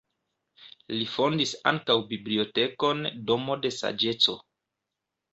Li fondis ankaŭ bibliotekon Domo de saĝeco.